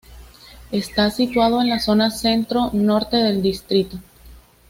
Está situado en la zona centro-norte del distrito.